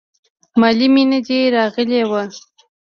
مالې مينه دې راغلې وه.